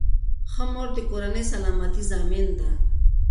ښه مور د کورنۍ سلامتۍ ضامن ده.